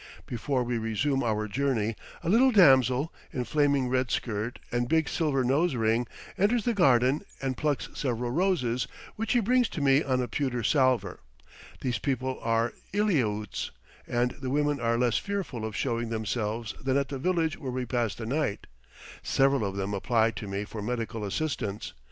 Before we resume our journey a little damsel, in flaming red skirt and big silver nose ring, enters the garden and plucks several roses, which she brings to me on a pewter salver. These people are Eliautes, and the women are less fearful of showing themselves than at the village where we passed the night. Several of them apply to me for medical assistance.